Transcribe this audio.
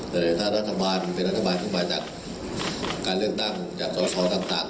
แต่ถ้ารัฐบาลเป็นรัฐบาลที่มาจากการเลือกตั้งจากสทต่าง